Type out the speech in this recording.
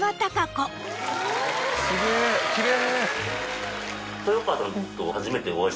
すげぇきれい。